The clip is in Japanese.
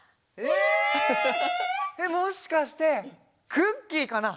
えっもしかしてクッキーかな？